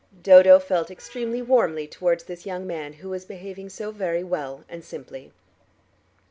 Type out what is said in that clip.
Dodo felt extremely warmly towards this young man, who was behaving so very well and simply.